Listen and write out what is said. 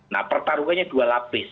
nah pertarungannya dua lapis